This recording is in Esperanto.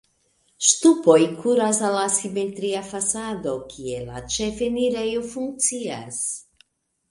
Ŝtupoj kuras al la simetria fasado, kie la ĉefenirejo funkcias.